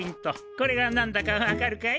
これがなんだかわかるかい？